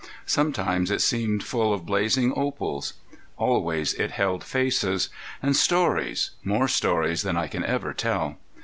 Sometimes it seemed full of blazing opals. Always it held faces. And stories more stories than I can ever tell!